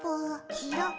ちらっ。